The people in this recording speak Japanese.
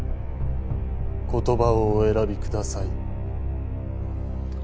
言葉をお選びください。